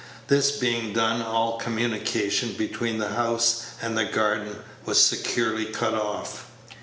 This being done, all communication between the house and the garden was securely cut off.